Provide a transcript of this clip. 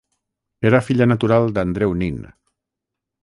Era filla natural d'Andreu Nin.